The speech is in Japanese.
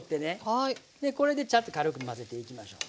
でこれでちゃっと軽く混ぜていきましょう。